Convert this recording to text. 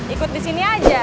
ikut di sini aja